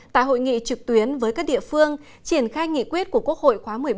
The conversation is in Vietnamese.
tại hội nghị trực tuyến với các địa phương triển khai nghị quyết của quốc hội khóa một mươi bốn